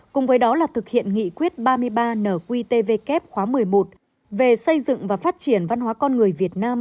cùng với đó là thực hiện nghị quyết ba mươi ba nqtvk khóa một mươi một về xây dựng và phát triển văn hóa con người việt nam